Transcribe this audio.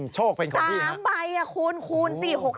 โชคเป็นของพี่นะสามใบคูณคูณ